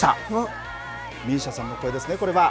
ＭＩＳＩＡさんの声ですねこれは。